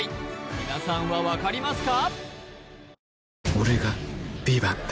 皆さんは分かりますか？